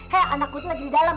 heh anak gue lagi di dalem